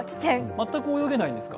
全く泳げないんですか？